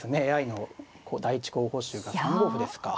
ＡＩの第１候補手が３五歩ですか。